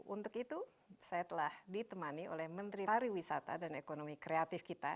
untuk itu saya telah ditemani oleh menteri pariwisata dan ekonomi kreatif kita